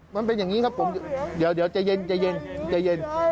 มันเป็นอย่างนี้ครับผมเดี๋ยวจะเย็นใจเย็น